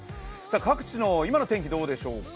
各地の今の天気どうでしょうか。